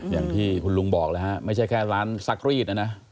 อย่างที่คุณลุงบอกแล้วฮะไม่ใช่แค่ร้านซักรีดนะนะ